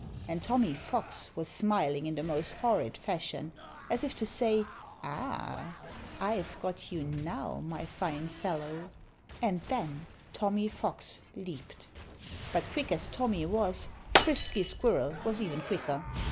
And Tommy Fox was smiling in the most horrid fashion, as if to say "Ah! I've got you now, my fine fellow!" And then Tommy Fox leaped. But quick as Tommy was, Frisky Squirrel was even quicker.